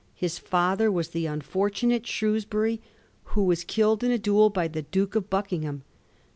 His father was the unfortunate Shrewsbury who wa& killed in a duel by the Duke of Buckingham.